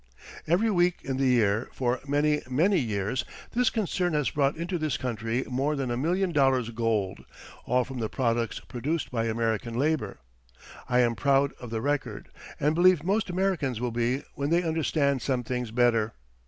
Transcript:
Every week in the year for many, many years, this concern has brought into this country more than a million dollars gold, all from the products produced by American labour. I am proud of the record, and believe most Americans will be when they understand some things better.